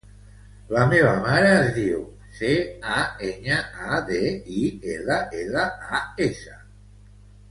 La meva mare es diu Tània Cañadillas: ce, a, enya, a, de, i, ela, ela, a, essa.